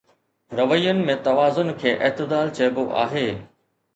روين ۾ توازن کي اعتدال چئبو آهي